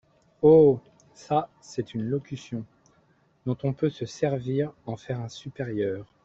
Oh ! ça, c’est une locution… dont on peut se servir envers un supérieur…